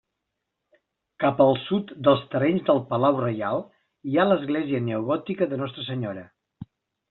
Cap al sud dels terrenys del Palau Reial, hi ha l'església neogòtica de Nostra Senyora.